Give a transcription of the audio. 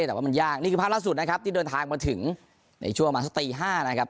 แต่ว่ามันยากนี่คือภาพล่าสุดนะครับที่เดินทางมาถึงในช่วงประมาณสักตี๕นะครับ